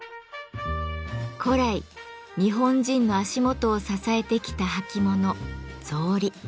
古来日本人の足元を支えてきた履物「草履」。